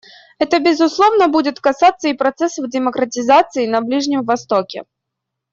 Это, безусловно, будет касаться и процессов демократизации на Ближнем Востоке.